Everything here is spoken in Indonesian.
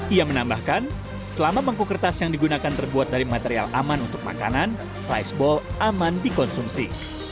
ia menambahkan selama bangku kertas yang digunakan terbuat dari material aman untuk makanan rice ball aman dikonsumsi